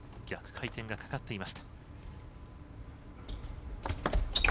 逆回転がかかっていました。